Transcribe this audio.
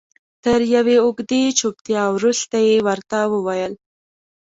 تر یوې اوږدې چوپتیا وروسته یې ورته وویل.